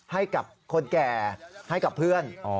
ให้กับคนแก่ให้กับเพื่อน